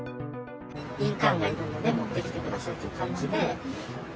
印鑑がいるので持ってきてくださいという感じで。